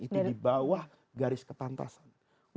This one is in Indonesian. itu di bawah garis kepantasan